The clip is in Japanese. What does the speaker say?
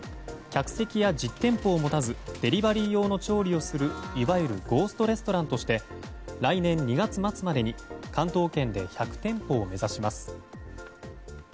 客席や実店舗を持たずデリバリー用の調理をするいわゆるゴーストレストランとして来年２月末までに関東圏で１００店舗を目指します。